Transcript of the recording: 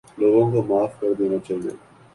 لوگوں کو معاف کر دینا چاہیے